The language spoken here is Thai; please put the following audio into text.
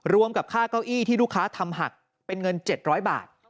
รวมกับค่าเก้าอี้ที่ลูกค้าทำหักเป็นเงิน๗๐๐บาท